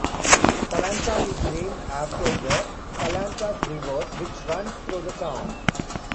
Salantai is named after the Salantas River, which runs through the town.